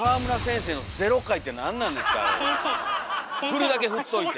ふるだけふっといて。